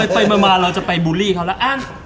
ไปมาเราจะไปบูลลี่เขาแล้ว